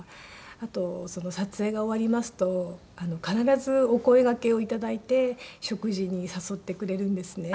あと撮影が終わりますと必ずお声がけを頂いて食事に誘ってくれるんですね。